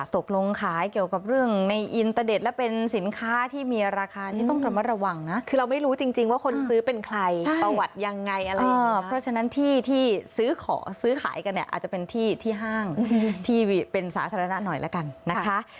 ตกลงขายเกี่ยวกับเรื่องในอินเตอร์เน็ตและเป็นสินค้าที่มีราคานี้ต้องระมัดระวังนะคือเราไม่รู้จริงว่าคนซื้อเป็นใครประวัติยังไงอะไรเพราะฉะนั้นที่ที่ซื้อขอซื้อขายกันเนี่ยอาจจะเป็นที่ที่ห้างที่เป็นสาธารณะหน่อยละกันนะคะ